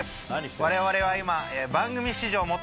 我々は今。